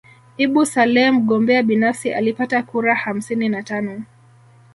Ibuni Saleh mgombea binafsi alipata kura hamsini na tano